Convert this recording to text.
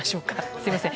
すみません。